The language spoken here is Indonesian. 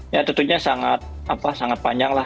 ya tentunya sangat panjang